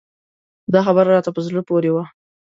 دا خبر راته په زړه پورې و.